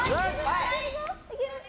いける！